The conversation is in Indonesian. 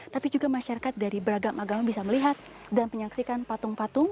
tapi juga masyarakat dari beragam agama bisa melihat dan menyaksikan patung patung